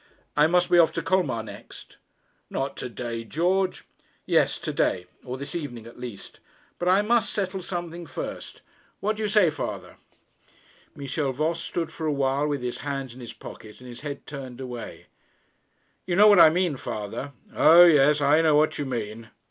'I must be off to Colmar next.' 'Not to day, George.' 'Yes; to day; or this evening at least. But I must settle something first. What do you say, father?' Michel Voss stood for a while with his hands in his pockets and his head turned away. 'You know what I mean, father.' 'O yes; I know what you mean.'